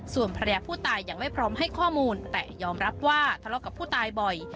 ส่วนภรรยาผู้ตายยังไม่พร้อมให้ข้อมูลแต่ยอมรับว่าทะเลาะกับผู้ตายบ่อย